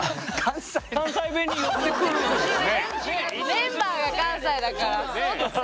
メンバーが関西だからそっか。